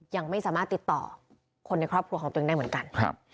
ยังไม่สามารถติดต่อคนในครอบครัวของตัวเองได้เหมือนกันครับ